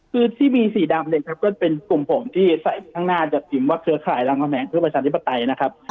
คือที่มีสีดำเนี่ยครับก็เป็นกลุ่มผมที่ใส่ข้างหน้ากับทีมว่าเครือข่ายรามคำแหงเพื่อประชาธิปไตยนะครับ